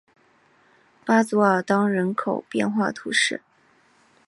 巴佐尔当人口变化图示